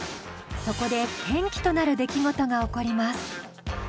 そこで転機となる出来事が起こります。